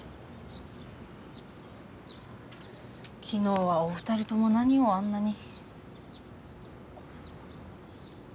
昨日はお二人とも何をあんなに。